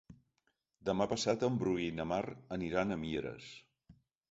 Demà passat en Bru i na Mar aniran a Mieres.